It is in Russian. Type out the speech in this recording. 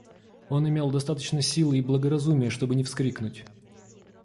Он имел достаточно силы и благоразумия, чтобы не вскрикнуть.